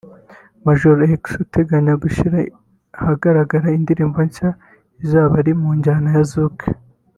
Major X uteganya gushyira ahagaragara indirimbo nshya izaba ari mu njyana ya zouk